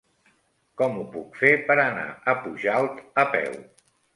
Com ho puc fer per anar a Pujalt a peu?